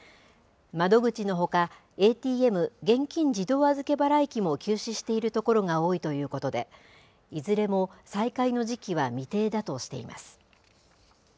窓口のほか、ＡＴＭ・現金自動預払機も休止している所が多いということで、いずれも再開の時期は未定だとしています。